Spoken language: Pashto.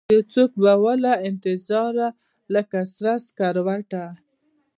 یوڅوک به ووله انتظاره لکه سره سکروټه